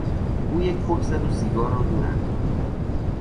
او یک پک زد و سیگار را دور انداخت.